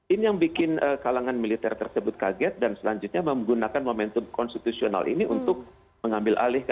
ini yang bikin kalangan militer tersebut kaget dan selanjutnya menggunakan momentum konstitusional ini untuk mengambil alih